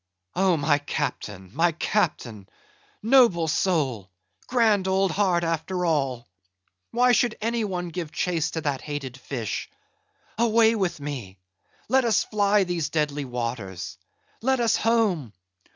"Oh, my Captain! my Captain! noble soul! grand old heart, after all! why should any one give chase to that hated fish! Away with me! let us fly these deadly waters! let us home!